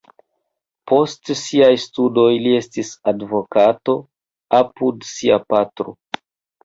Post siaj studoj li estis advokato apud sia patro.